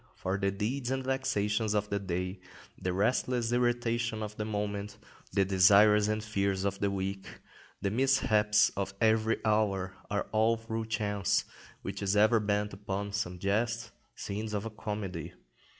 For the deeds and vexations of the day, the restless irritation of the moment, the desires and fears of the week, the mishaps of every hour, are all through chance, which is ever bent upon some jest, scenes of a comedy.